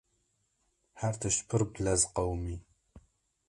Her tişt pir bilez qewimî.